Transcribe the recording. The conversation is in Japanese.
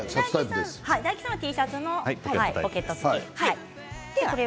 大吉さんはＴシャツのポケット付きです。